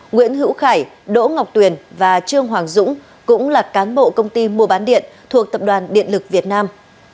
nguyễn hữu khải đỗ ngọc tuyền và trương hoàng dũng cũng là cán bộ công ty mua bán điện thuộc tập đoàn điện lực việt nam